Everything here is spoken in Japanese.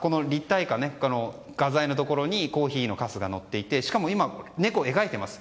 画材のところにコーヒーのカスが乗っていてしかも今、猫を描いています。